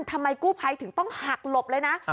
ทำไมกู้ภัยถึงต้องหักหลบเลยนะ